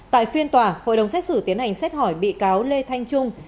tại phiên tòa hội đồng xét xử tiến hành xét hỏi bị cáo lê thanh trung